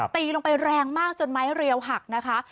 ตีลงไปแรงมากจนไม้เรียวหักนะคะ